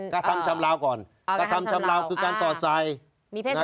กระทำชำลาวก่อนกระทำชำลาวคือการสอดใส่